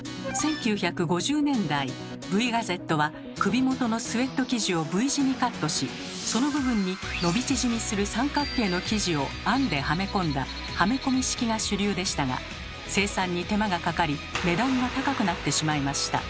１９５０年代Ｖガゼットは首元のスウェット生地をＶ字にカットしその部分に伸び縮みする三角形の生地を編んではめ込んだ「はめ込み式」が主流でしたが生産に手間がかかり値段が高くなってしまいました。